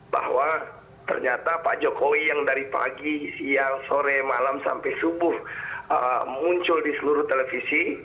bahwa ternyata pak jokowi yang dari pagi siang sore malam sampai subuh muncul di seluruh televisi